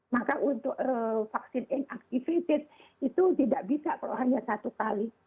maka untuk vaksin in activated itu tidak bisa kalau hanya satu kali